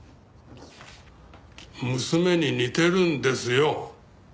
娘に似てるんですよ。